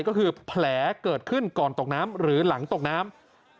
ก็คือแผลเกิดขึ้นก่อนตกน้ำหรือหลังตกน้ำ